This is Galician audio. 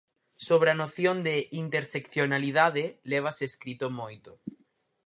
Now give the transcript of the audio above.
Sobre a noción de "interseccionalidade" lévase escrito moito.